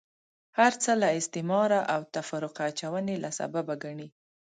هرڅه له استعماره او تفرقه اچونې له سببه ګڼي.